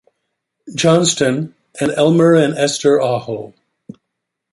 Johnston and Elmer and Esther Aho.